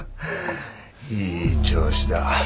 いい調子だ。